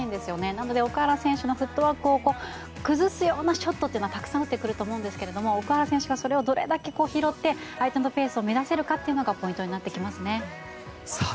なので奥原選手のフットワークを崩すようなショットをたくさん打ってくると思うんですけれども奥原選手がそれをどれだけ拾って相手のペースを乱せるかがポイントになってきますね。